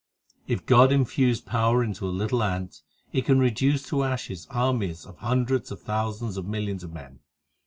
5 // God infuse power into a little ant, It can reduce to ashes armies of hundreds of thousands and millions of men.